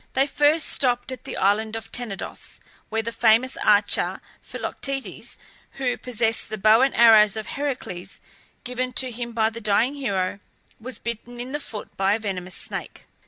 They first stopped at the island of Tenedos, where the famous archer Philoctetes who possessed the bow and arrows of Heracles, given to him by the dying hero was bitten in the foot by a venomous snake.